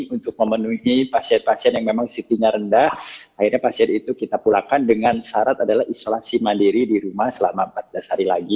untuk memenuhi pasien pasien yang memang ct nya rendah akhirnya pasien itu kita pulangkan dengan syarat adalah isolasi mandiri di rumah selama empat belas hari lagi